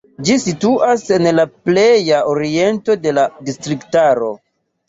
Ĝi situas en la pleja oriento de la distriktaro.